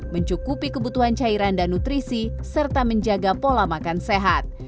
mencukupi kebutuhan cairan dan nutrisi serta menjaga pola makan sehat